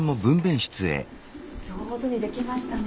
上手にできましたね。